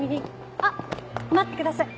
あっ待ってください